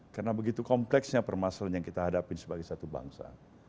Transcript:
karena begitu kompleksnya permasalahan yang kita hadapin sebagai satu bangsa